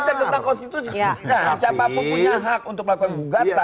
siapapun punya hak untuk melakukan gugatan